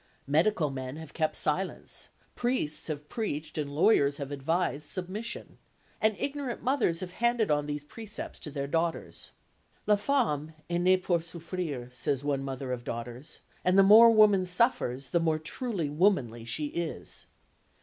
Medical men have kept silence, priests have preached and lawyers have advised submission, and ignorant mothers have handed on these precepts to their daughters. "La femme est née pour souffrir," says one mother of daughters; and the more woman suffers, the more truly womanly she is.